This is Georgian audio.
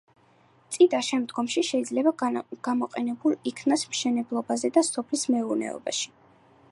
წიდა შემდგომში შეიძლება გამოყენებულ იქნას მშენებლობებზე და სოფლის მეურნეობაში.